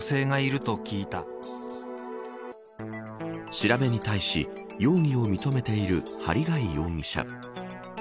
調べに対し容疑を認めている針谷容疑者。